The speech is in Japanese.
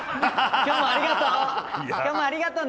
今日もありがとうね。